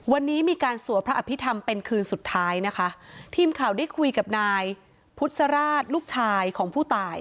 วันนี้มีการสวดพระอภิษฐรรมเป็นคืนสุดท้ายนะคะทีมข่าวได้คุยกับนายพุทธราชลูกชายของผู้ตาย